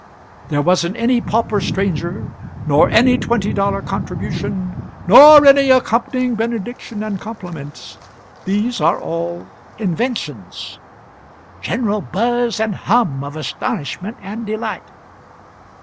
] There wasn't any pauper stranger, nor any twenty dollar contribution, nor any accompanying benediction and compliment these are all inventions. [General buzz and hum of astonishment and delight.